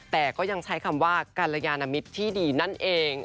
แต่ก็ยังใช้คำว่ากรยานมิตรที่ดีนั่นเอง